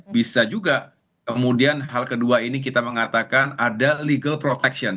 bisa juga kemudian hal kedua ini kita mengatakan ada legal protection